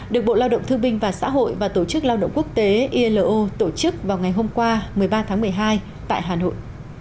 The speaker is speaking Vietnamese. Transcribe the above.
được bộ lao động thương binh và xã hội và tổ chức lao động quốc tế ilo tổ chức vào ngày hôm qua một mươi ba tháng một mươi hai tại hà nội